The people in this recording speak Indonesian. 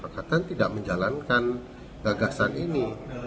kekatan tidak menjalankan gagasan ini